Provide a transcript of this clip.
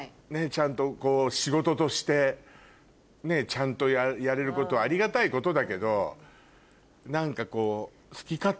ちゃんと仕事としてちゃんとやれることはありがたいことだけど何かこう。